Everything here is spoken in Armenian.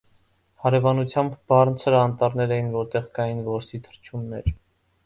Հարևանությամբ բարձր անտառներ էին որտեղ կային որսի թռչուններ։